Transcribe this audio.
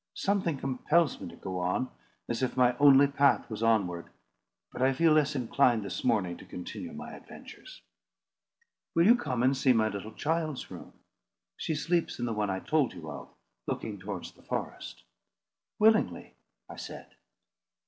Something compels me to go on, as if my only path was onward, but I feel less inclined this morning to continue my adventures." "Will you come and see my little child's room? She sleeps in the one I told you of, looking towards the forest." "Willingly," I said.